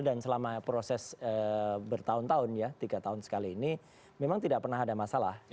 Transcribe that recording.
dan selama proses bertahun tahun ya tiga tahun sekali ini memang tidak pernah ada masalah